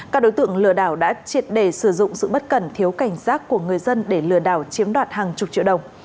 các đối tượng lừa đảo đã triệt đề sử dụng sự bất cần thiếu cảnh giác của người dân để lừa đảo chiếm đoạt hàng chục triệu đồng